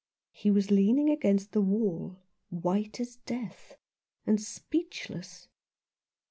He was leaning against the wall, white as death, and speechless.